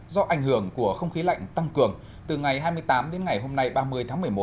do ảnh hưởng của không khí lạnh tăng cường từ ngày hai mươi tám đến ngày hôm nay ba mươi tháng một mươi một